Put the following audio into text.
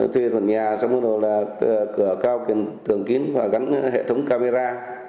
thuê một cái nhà xong rồi là cửa cao kiện tường kín và gắn hệ thống camera